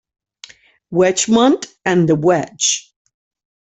Wedgemont and "The Wedge".